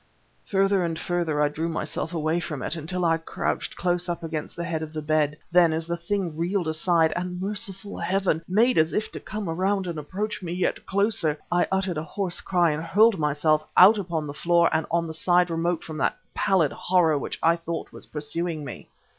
Further and further I drew myself away from it, until I crouched close up against the head of the bed. Then, as the thing reeled aside, and merciful Heaven! made as if to come around and approach me yet closer, I uttered a hoarse cry and hurled myself out upon the floor and on the side remote from that pallid horror which I thought was pursuing me.